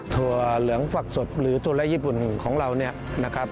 ถั่วเหลืองฝักสดหรือถั่วแร้ญี่ปุ่นของเรา